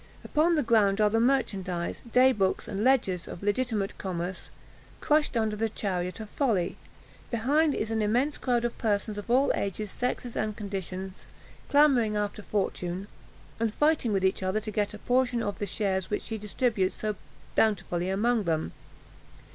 Upon the ground are the merchandise, day books and ledgers of legitimate commerce, crushed under the chariot of Folly. Behind is an immense crowd of persons, of all ages, sexes, and conditions, clamoring after Fortune, and fighting with each other to get a portion of the shares which she distributes so bountifully among them.